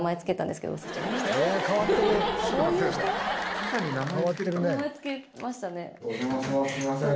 すいません。